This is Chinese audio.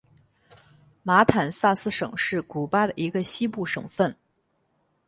马坦萨斯省是古巴的一个西部省份。